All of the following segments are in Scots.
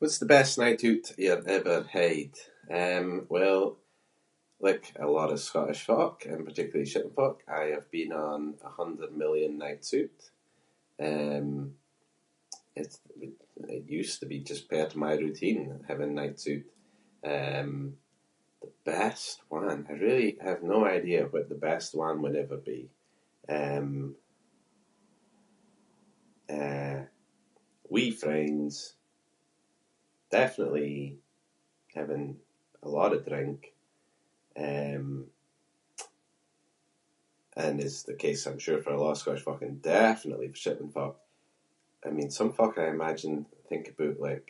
What’s the best night oot you’ve ever had? Um, well, like a lot of Scottish folk and particularly Shetland folk I have been on a hundred million nights oot. Um, it’s- i- it used to be just part of my routine having nights oot. Um, the best one? I really have no idea what the best one would ever be. Um, eh, with friends, definitely having a lot of drink, um, and is the case I’m sure for a lot of Scottish folk and definitely for Shetland folk- I mean some folk I imagine- think aboot like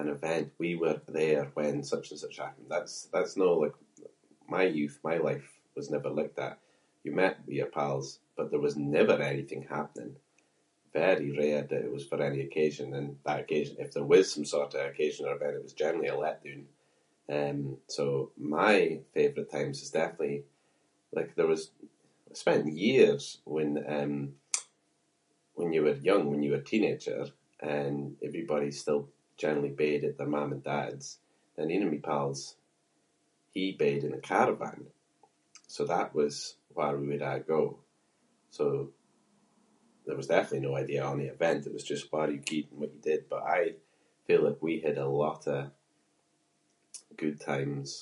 an event- “we were there when such and such happened”. That’s- that's no, like, my youth. My life was never like that. You met with your pals but there was never anything happening- very rare that it was for any occasion and that ocas- if there was some sort of occasion or event it was generally a let-doon. Um, so, my favourite times is definitely- like, there was- I spent years when, um, when you were young- when you were teenager and everybody still generally bed at their mum and dad’s, and ain of my pals, he bed in a caravan, so that was where we would a’ go. So, there was definitely no idea of any event, it was just where you gied and what you did but I feel that we had a lot of good times-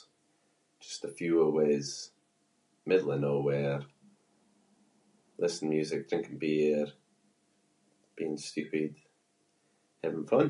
just a few of us, middle of nowhere, listening to music, drinking beer, being stupid, having fun.